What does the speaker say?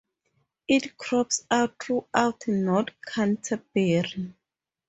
It crops out throughout North Canterbury.